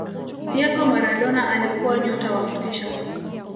diego maradona alikuwa nyota wa kutisha